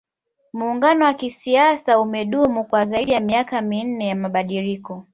muungano wa kisiasa umedumu kwa zaidi ya miaka minne ya mabadiliko